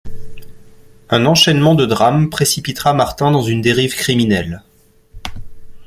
Un enchaînement de drames précipitera Martin dans une dérive criminelle.